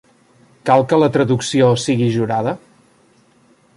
Cal que la traducció sigui jurada?